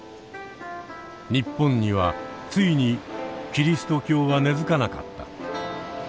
「日本にはついにキリスト教は根づかなかった」。